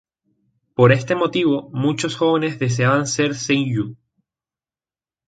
Por este motivo, muchos jóvenes deseaban ser seiyū.